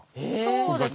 そうです。